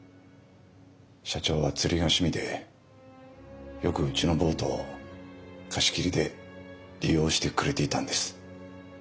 社長は釣りが趣味でよくうちのボートを貸し切りで利用してくれていたんです。